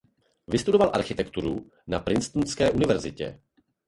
Vystudoval architekturu na Princetonské univerzitě.